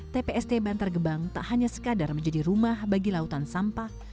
tpst bantar gebang tak hanya sekadar menjadi rumah bagi lautan sampah